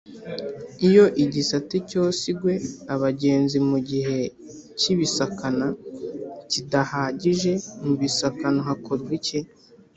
iyo igisate cyosigwe abagenzi mugihe cy’ibisakana kidahagije mu ibisakano hakorwa iki?